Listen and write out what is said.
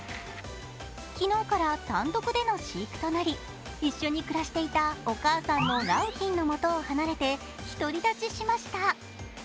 昨日から単独での飼育となり一緒に暮らしていたお母さんの良浜の元を離れて、一人立ちしました。